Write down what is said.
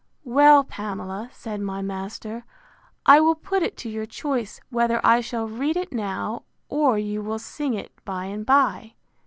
Well, Pamela, said my master, I will put it to your choice, whether I shall read it now, or you will sing it by and by.